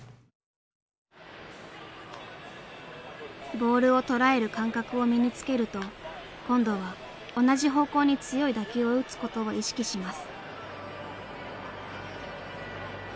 ボールを捉える感覚を身につけると今度は同じ方向に強い打球を打つことを意識します。